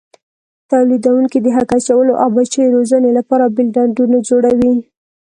تولیدوونکي د هګۍ اچولو او بچیو روزنې لپاره بېل ډنډونه جوړوي.